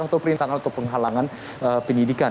atau perintangan atau penghalangan penyidikan